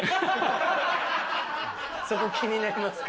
そこ気になりますか。